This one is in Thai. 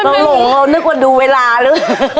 พาหลงเค้านึกว่าดูเวลารึ